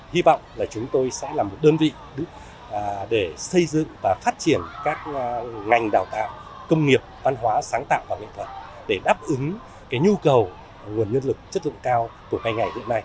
hy vọng là chúng tôi sẽ là một đơn vị để xây dựng và phát triển các ngành đào tạo công nghiệp văn hóa sáng tạo và nghệ thuật để đáp ứng nhu cầu nguồn nhân lực chất lượng cao của hai ngày hiện nay